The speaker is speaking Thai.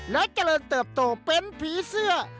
และเจริญเติบโตเป็นผีเสื้อ